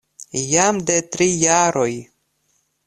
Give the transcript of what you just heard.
Jam de tri jaroj.